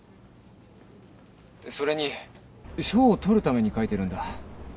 それに賞を取るために書いてるんだ。